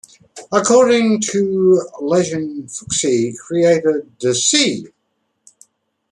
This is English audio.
According to legend, Fuxi created the "se".